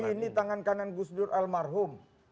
ini tangan kanan gus dur almarhum